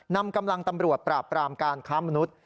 นำกำลังตำรวจปราบปรามการค้ามนุษย์